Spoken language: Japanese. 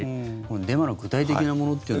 デマの具体的なものっていうのは。